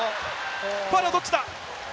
ファウルはどっちだ？